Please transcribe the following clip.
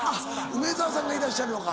梅沢さんがいらっしゃるのか。